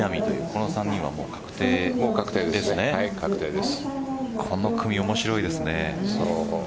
この組、面白いですね。